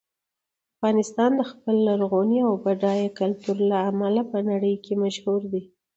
افغانستان د خپل لرغوني او بډایه کلتور له امله په نړۍ کې مشهور دی.